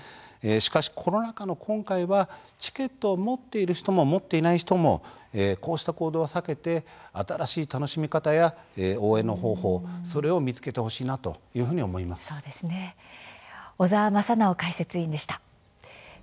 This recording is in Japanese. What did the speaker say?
しかし、コロナ禍の今回はチケットを持っている人も持っていない人もこうした行動は避けて新しい楽しみ方や応援の方法、それを見つけてほしいな小澤正修解説委員でした。